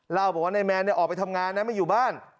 เล่าบอกว่านายแมนออกไปทำงานนะไม่อยู่บ้าน